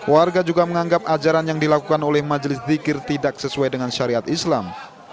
warga juga menganggap ajaran yang dilakukan oleh majelis zikir tidak sesuai dengan syariat islam